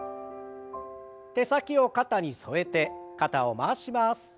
手先を肩に添えて肩を回します。